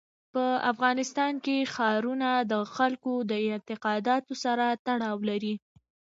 په افغانستان کې ښارونه د خلکو د اعتقاداتو سره تړاو لري.